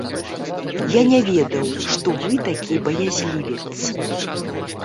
Я не ведаў, што вы такі баязлівец.